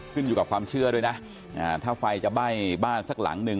อยู่กับความเชื่อด้วยนะถ้าไฟจะไหม้บ้านสักหลังหนึ่ง